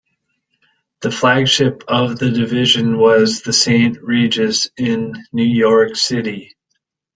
The flagship of the division was The Saint Regis in New York City.